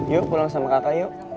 yuk pulang sama kakak yuk